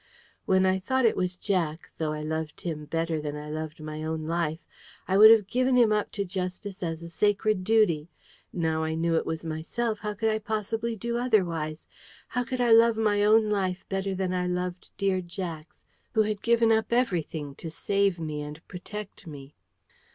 When I thought it was Jack, though I loved him better than I loved my own life, I would have given him up to justice as a sacred duty. Now I knew it was myself, how could I possibly do otherwise? How could I love my own life better than I loved dear Jack's, who had given up everything to save me and protect me?